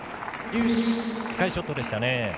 深いショットでしたね。